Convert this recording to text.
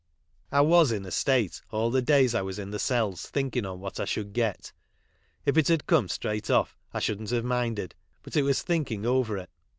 I was in a state all the davs I was in the cells thinking on what I should get. If it had come straight off I shouldn't have minded, but it was thinkiim* over it.